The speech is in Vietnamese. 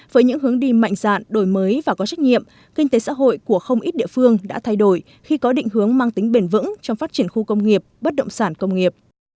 với những hướng đi mạnh dạn đổi mới và có trách nhiệm kinh tế xã hội của không ít địa phương đã thay đổi khi có định hướng mang tính bền vững trong phát triển khu công nghiệp bất động sản công nghiệp